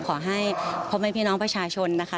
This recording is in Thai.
ขอให้พ่อแม่พี่น้องประชาชนนะคะ